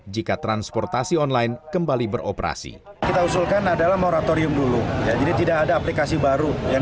jika transportasi online berubah